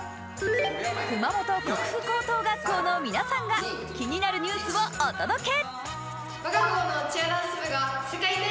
熊本国府高等学校の皆さんが気になるニュースをお届け。